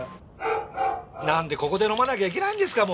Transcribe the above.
なんでここで飲まなきゃいけないんですか。